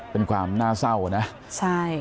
เป็นความน่าเศร้านะใช่